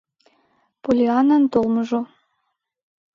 Поллианнан толмыжо